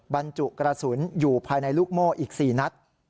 บรรจุกระสุนอยู่ภายในลูกโม่อีก๔นัด